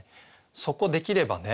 そこできればね